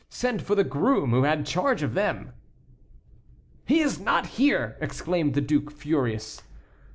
Send for the groom who had charge of them." "He is not here," exclaimed the duke, furious.